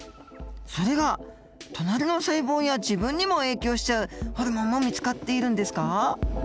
それが隣の細胞や自分にも影響しちゃうホルモンも見つかっているんですか？